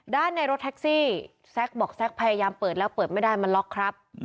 ในรถแท็กซี่แซ็กบอกแซคพยายามเปิดแล้วเปิดไม่ได้มันล็อกครับ